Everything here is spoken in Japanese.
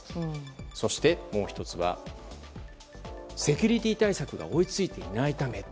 そしてもう１つがセキュリティー対策が追い付いていないため。